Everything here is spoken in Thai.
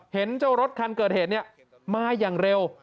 เห็นเจ้ารถคันเกิดเหตุมาอย่างเร็ว